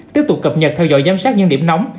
tiếp tục cập nhật theo dõi giám sát những điểm nóng